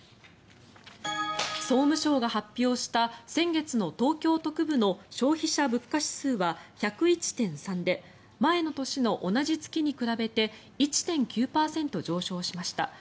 総務省が発表した先月の東京都区部の消費者物価指数は１０１．３で前の年の同じ月に比べて１．９％上昇しました。